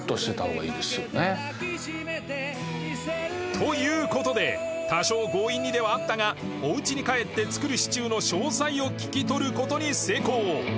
という事で多少強引にではあったがお家に帰って作るシチューの詳細を聞き取る事に成功